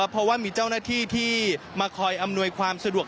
เพราะว่ามีเจ้าหน้าที่ที่มาคอยอำนวยความสะดวก